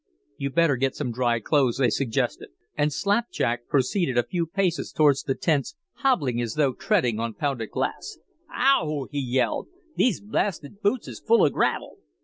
"You'd better get some dry clothes," they suggested, and Slapjack proceeded a few paces towards the tents, hobbling as though treading on pounded glass. "Ow w!" he yelled. "These blasted boots is full of gravel."